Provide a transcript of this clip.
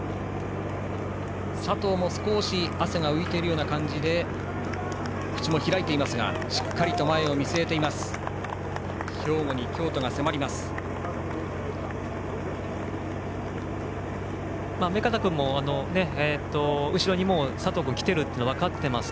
佐藤も少し汗が浮いている感じで口も開いていますがしっかり前を見据えています。